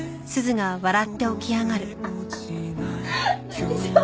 大丈夫？